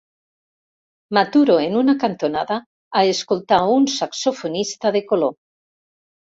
M'aturo en una cantonada a escoltar un saxofonista de color.